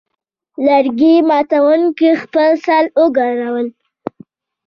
لرګي ماتوونکي خپل سر وګراوه.